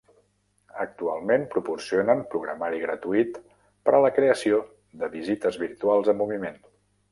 Actualment proporcionen programari gratuït per a la creació de visites virtuals en moviment.